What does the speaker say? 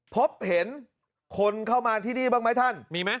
พบเห็นคนเข้ามาที่ที่นี่บ้างมั้ยท่าน